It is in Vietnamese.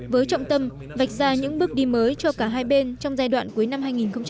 với trọng tâm vạch ra những bước đi mới cho cả hai bên trong giai đoạn cuối năm hai nghìn hai mươi